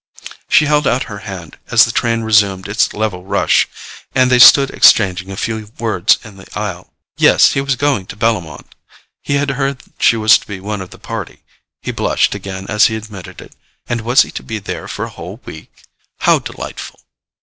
She held out her hand as the train resumed its level rush, and they stood exchanging a few words in the aisle. Yes—he was going to Bellomont. He had heard she was to be of the party—he blushed again as he admitted it. And was he to be there for a whole week? How delightful!